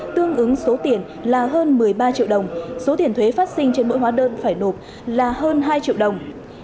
tương ứng số tiền là hơn một mươi ba triệu đồng số tiền thuế phát sinh trên mỗi hóa đơn phải nộp là hơn hai triệu đồng